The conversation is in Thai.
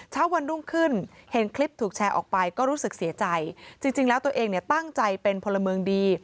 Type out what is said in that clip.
เช้าวันรุ่งขึ้นเห็นคลิปถูกแชร์ออกไปก็รู้สึกเสียใจจริงแล้วตัวเองเนี่ยตั้งใจเป็นพลเมืองดี